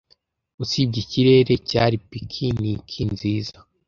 Usibye ikirere, cyari picnic nziza.